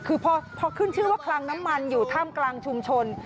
คือพอขึ้นชื่อว่าคลังน้ำมันอยู่ท่ามกลางชุมชน